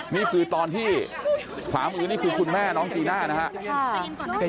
นี่คือตอนที่ขวามือนี่คือคุณแม่น้องจีน่านะครับ